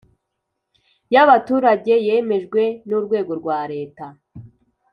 Y abaturage yemejwe n urwego rwa leta